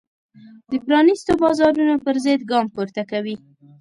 د پرانیستو بازارونو پرضد ګام پورته کوي.